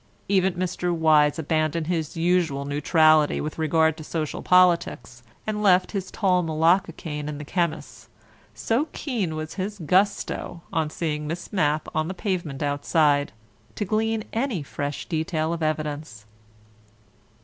Even Mr. Wyse abandoned his usual neutrality with regard to social politics and left his tall malacca cane in the chemist's, so keen was his gusto, on seeing Miss Mapp on the pavement outside, to glean any fresh detail of evidence.